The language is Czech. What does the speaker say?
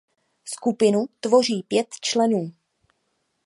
Skupinu tvoří pět členů.